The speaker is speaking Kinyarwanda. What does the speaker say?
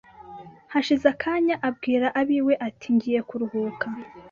hashize akanya abwira ab'iwe ati ngiye kuruhuka,